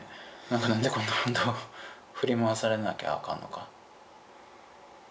何でこんなほんと振り回されなきゃあかんのか。